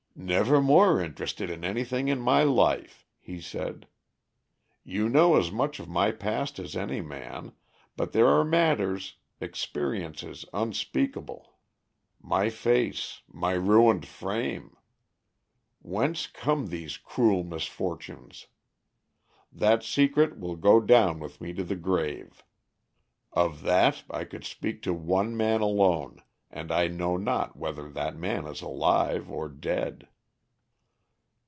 "Never more interested in anything in my life," he said. "You know as much of my past as any man, but there are matters, experiences unspeakable. My face, my ruined frame! Whence come these cruel misfortunes? That secret will go down with me to the grave. Of that I could speak to one man alone, and I know not whether that man is alive or dead."